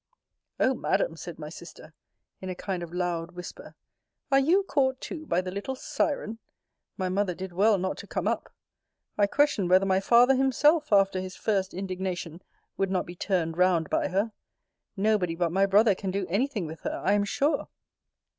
O Madam, said my sister, in a kind of loud whisper, are you caught too by the little siren? My mother did well not to come up! I question whether my father himself, after his first indignation, would not be turned round by her. Nobody but my brother can do any thing with her, I am sure.